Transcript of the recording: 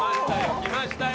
きましたよ。